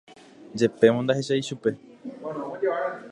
Jepémo ndahechái chupe.